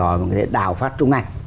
còn người ta đào phát trung ảnh